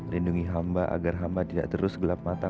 lindungi hamba agar hamba tidak terus gelap mata